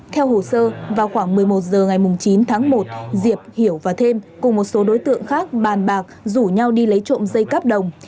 theo hồ sơ vào khoảng một mươi một h ngày chín tháng một diệp hiểu và thêm cùng một số đối tượng khác bàn bạc rủ nhau đi lấy trộm dây cáp đồng